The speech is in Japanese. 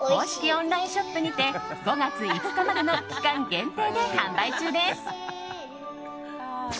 オンラインショップにて５月５日までの期間限定で販売中です。